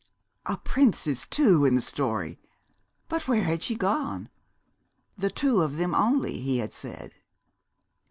A princess, too, in the story! But where had she gone? "The two of them only," he had said.